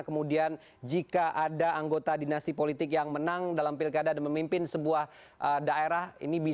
pemilu pilih pilih pilih pilih